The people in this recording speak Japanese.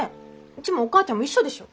うちもお母ちゃんも一緒でしょ。